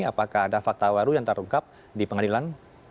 apakah ada fakta baru yang terungkap di pengadilan